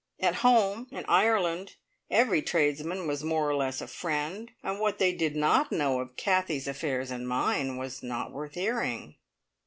At home in Ireland every tradesman was more or less a friend, and what they did not know of Kathie's affairs and mine was not worth hearing.